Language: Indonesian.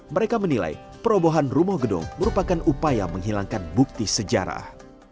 mereka menilai perobohan rumah gedung merupakan upaya menghilangkan bukti sejarah